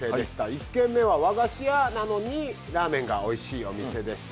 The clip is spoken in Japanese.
１軒目は和菓子屋なのにラーメンがおいしいお店でした。